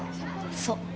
そう。